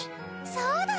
そうだ！